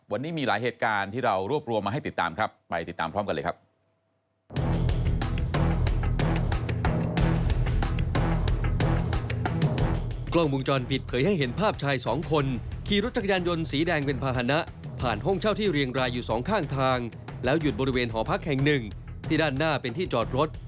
วันนี้มีหลายเหตุการณ์ที่เรารวบรวมมาให้ติดตามครับไปติดตามพร้อมกันเลยครับ